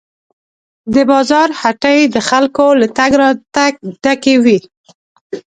د بازار هټۍ د خلکو له تګ راتګ ډکې وې.